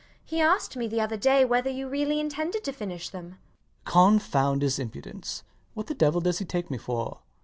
He asked me the other day whether you really intended to finish them. LOUIS. Confound his impudence! What the devil does he take me for?